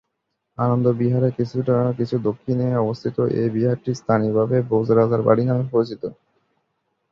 আনন্দ বিহারের কিছু দক্ষিণে অবস্থিত এই বিহারটি স্থানীয়ভাবে ভোজ রাজার বাড়ী নামে পরিচিত।